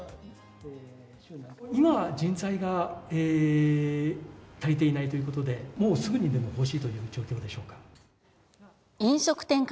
今、人材が足りていないということで、もう、すぐにでも欲しいという状況でしょうか？